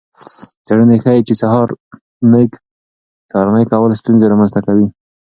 څیړنې ښيي چې د سهارنۍ نه کول ستونزې رامنځته کوي.